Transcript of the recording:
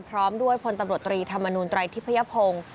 พร้อมด้วยพลตำรวจตรีธรรมนูลไตรทิพยพงศ์